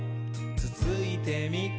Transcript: つついてみ？」